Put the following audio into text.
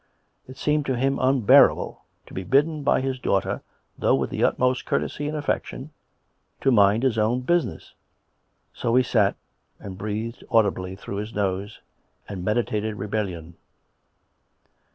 It seemed to him unbearable to be bidden by his daughter, though with the utmost courtesy and affection, to mind his own business. So he sat and breathed audibly through his nose, and meditated rebellion.